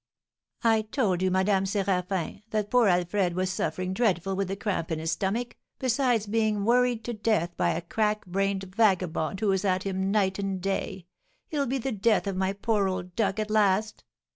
"I told you, Madame Séraphin, that poor Alfred was suffering dreadful with the cramp in his stomach, besides being worried to death by a crack brained vagabond, who is at him night and day: he'll be the death of my poor old duck at last.